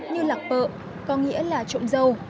như lạc bợ có nghĩa là trộm dâu